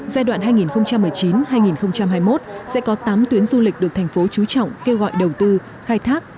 giai đoạn hai nghìn một mươi chín hai nghìn hai mươi một sẽ có tám tuyến du lịch được thành phố trú trọng kêu gọi đầu tư khai thác